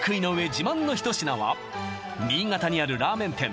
自慢の一品は新潟にあるラーメン店